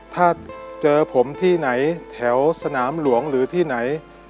ถ้าเจอผมที่ไหนแถวสนามหลวงหรือที่ไหน